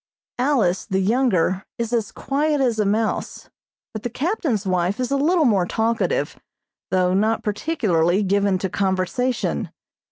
Alice, the younger, is as quiet as a mouse, but the captain's wife is a little more talkative, though not particularly given to conversation.